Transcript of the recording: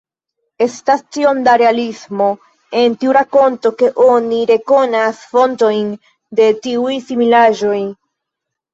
Estas tiom da realismo en tiu rakonto ke oni rekonas fontojn de tiuj similaĵoj.